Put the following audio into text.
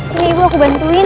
iya ibu aku bantuin